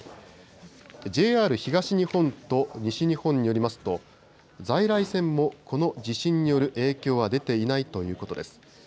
ＪＲ東日本と西日本によりますと在来線も、この地震による影響は出ていないということです。